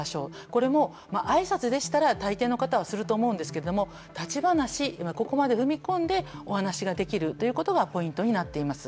これもあいさつでしたら大抵の方はすると思うんですけれども立ち話ここまで踏み込んでお話ができるということがポイントになっています。